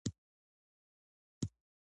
هغه خپله پانګه د توکو په پانګه بدلوي